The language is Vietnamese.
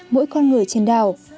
mỗi con người trên đảo